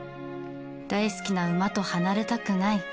大好きな馬と離れたくない。